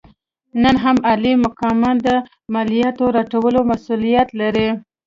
نن هم عالي مقامان د مالیاتو راټولولو مسوولیت لري.